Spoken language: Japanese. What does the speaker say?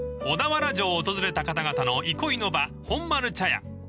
［小田原城を訪れた方々の憩いの場本丸茶屋］